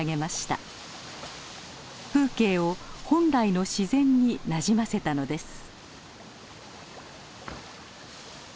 風景を本来の自然になじませたのです。